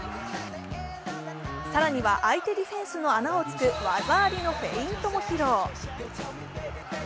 更には相手ディフェンスの穴をつく技ありのフェイントも披露。